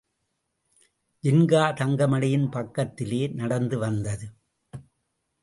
ஜின்கா தங்கமணியின் பக்கத்திலே நடந்து வந்தது.